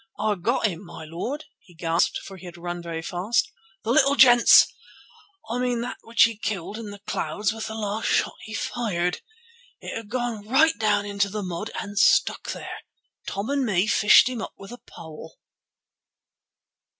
"I've got him, my lord," he gasped, for he had run very fast; "the little gent's—I mean that which he killed in the clouds with the last shot he fired. It had gone right down into the mud and stuck there. Tom and me fished him up with a pole."